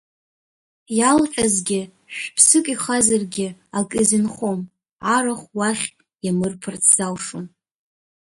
Иалҟьазгьы, шә-ԥсык ихазаргьы, ак изынхом, арахә уахь иамырԥарц залшомызт.